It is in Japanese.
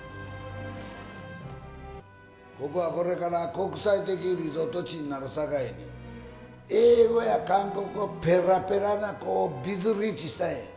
「ここはこれから国際的リゾート地になるさかいに英語や韓国語ペラペラな子をビズリーチしたんや」